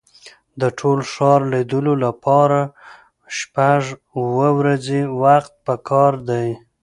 د ټول ښار لیدلو لپاره شپږ اوه ورځې وخت په کار دی.